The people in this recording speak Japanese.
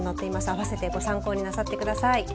併せてご参考になさってください。